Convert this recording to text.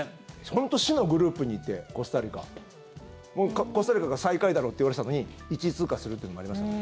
本当に死のグループにいて、コスタリカコスタリカが最下位だろうといわれていたのに１位通過するってのもありましたね。